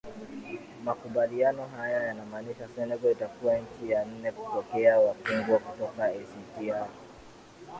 makubaliano hayo yanamaanisha senegal itakuwa nchi ya nane kupokea wafungwa kutoka ict r